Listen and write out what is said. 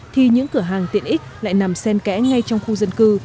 thì những cửa hàng tiện ích lại nằm sen kẽ ngay trong khu dân cư